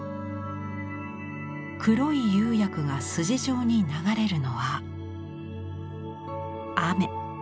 黒い釉薬が筋状に流れるのは雨。